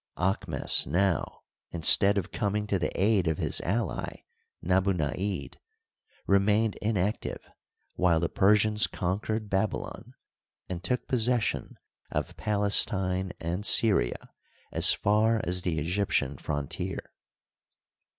Aahmes now, instead of coming to the aid of his ally, Nabunaid, remained inactive while the Persians conquered Babylon and took possession of Palestine and Syria as far as the Egyptian frontier.